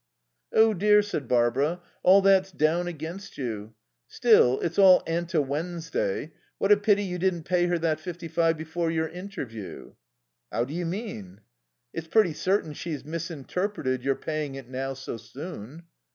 "Oh, dear," said Barbara, "all that's down against you. Still it's all ante Wednesday. What a pity you didn't pay her that fifty five before your interview." "How do you mean?" "It's pretty certain she's misinterpreted your paying it now so soon."